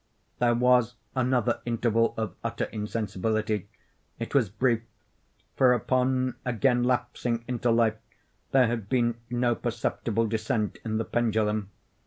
There was another interval of utter insensibility; it was brief; for, upon again lapsing into life there had been no perceptible descent in the pendulum.